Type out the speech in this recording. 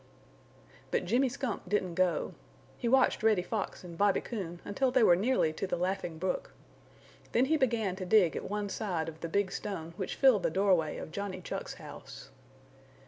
But Jimmy Skunk didn't go. He watched Reddy Fox and Bobby Coon until they were nearly to the Laughing Brook. Then he began to dig at one side of the big stone which filled the doorway of Johnny Chuck's house.